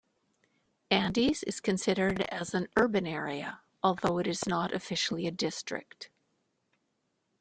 Andes is considered as an urban area, although it is not officially a district.